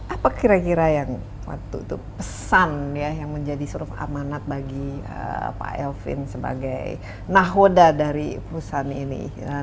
apa kira kira yang waktu itu pesan ya yang menjadi suruh amanat bagi pak elvin sebagai nahoda dari perusahaan ini